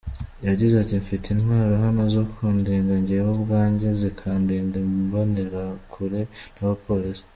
Yagize ati: “Mfite intwaro hano zo kundinda jyewe ubwanjye, zikandinda imbonerakure n’abapolisi.